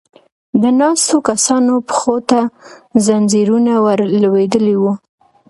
د ناستو کسانو پښو ته ځنځيرونه ور لوېدلې و.